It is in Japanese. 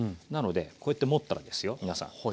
なのでこうやって持ったらですよ皆さん。